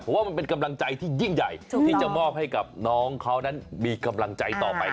ผมว่ามันเป็นกำลังใจที่ยิ่งใหญ่ที่จะมอบให้กับน้องเขานั้นมีกำลังใจต่อไป